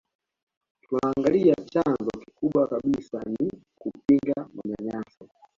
Tunaangalia chanzo kikubwa kabisa ni kupinga manyanyaso